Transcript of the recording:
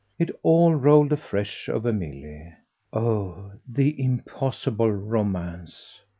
It all rolled afresh over Milly: "Oh the impossible romance